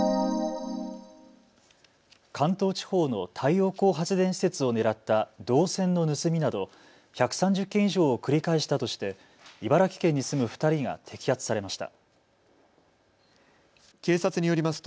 関東地方の太陽光発電施設を狙った銅線の盗みなど１３０件以上を繰り返したとして茨城県に住む２人が摘発されました。